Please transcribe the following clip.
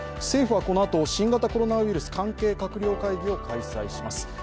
政府はこのあと新型コロナウイルス関係閣僚会議を開催します。